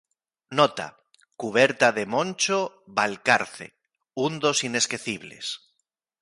Nota: cuberta de Moncho Valcarce, un dos inesquecibles.